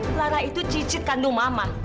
ma lara itu cicit kandung mama